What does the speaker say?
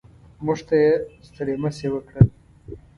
موږ ته یې ستړي مه شي وکړل.